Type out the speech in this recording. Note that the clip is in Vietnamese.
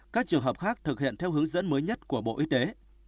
các trường hợp khác thực hiện theo hướng dẫn mới nhất của bộ y tế